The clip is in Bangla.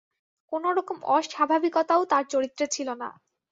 কোনো রকম অস্বাভাবিকতাও তার চরিত্রে ছিল না।